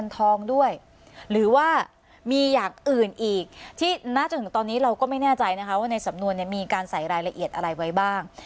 ถึงตอนนี้เราก็ไม่แน่ใจนะคะว่าในสำนวนมีการใส่รายละเอียดอะไรไว้บ้าง